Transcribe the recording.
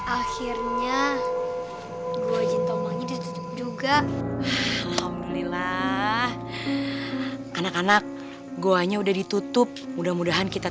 akhirnya juga alhamdulillah anak anak gua nya udah ditutup mudah mudahan kita